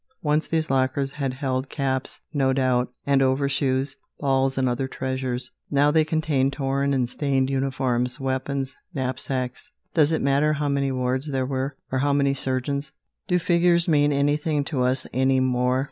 Once these lockers had held caps, no doubt, and overshoes, balls and other treasures. Now they contained torn and stained uniforms, weapons, knapsacks, Does it matter how many wards there were, or how many surgeons? Do figures mean anything to us any more?